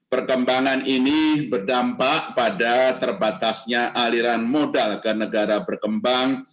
perkembangan ini berdampak pada terbatasnya aliran modal ke negara berkembang